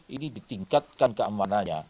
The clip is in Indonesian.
ini ditingkatkan keamanannya